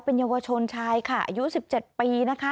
เป็นเยาวชนชายค่ะอายุ๑๗ปีนะคะ